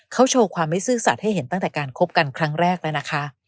เขาโชว์ความไม่ซื่อสัตว์ให้เห็นตั้งแต่การคบกันครั้งแรกแล้วนะคะ